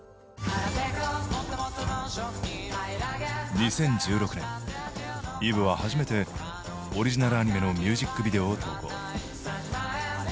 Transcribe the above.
２０１６年Ｅｖｅは初めてオリジナルアニメのミュージックビデオを投稿。